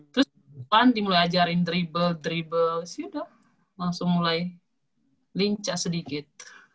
terus dimulai ajarin dribble dribble sudah langsung mulai lincah sedikit